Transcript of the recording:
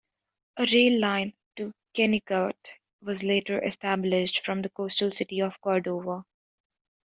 A rail line to Kennicott was later established from the coastal city of Cordova.